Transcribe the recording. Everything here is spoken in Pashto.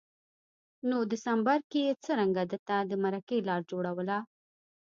نو دسمبر کي یې څرنګه ده ته د مرکې لار جوړوله